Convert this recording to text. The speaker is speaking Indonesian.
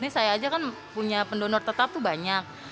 saya saja kan punya pendonor tetap banyak